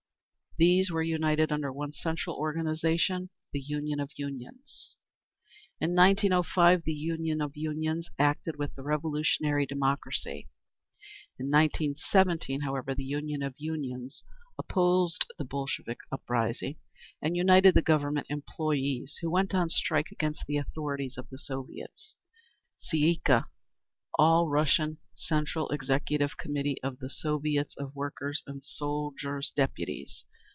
These were united under one central organisation, the Union of Unions. In 1905 the Union of Unions acted with the revolutionary democracy; in 1917, however, the Union of Unions opposed the Bolshevik uprising, and united the Government employees who went on strike against the authority of the Soviets. Tsay ee kah. All Russian Central Executive Committee of the Soviets of Workers' and Soldiers' Deputies.